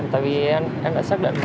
tại vì em đã xác định